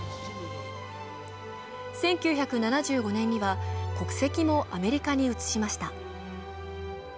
１９７５年には国籍もアメリカに移しました。